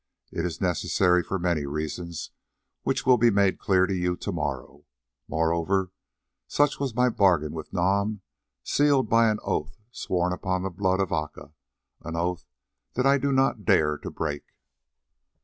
It is necessary for many reasons which will be made clear to you to morrow. Moreover, such was my bargain with Nam sealed by an oath sworn upon the blood of Aca, an oath that I do not dare to break."